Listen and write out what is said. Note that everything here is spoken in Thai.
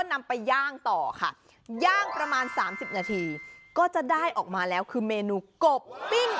นำไปย่างต่อค่ะย่างประมาณ๓๐นาทีก็จะได้ออกมาแล้วคือเมนูกบปิ้ง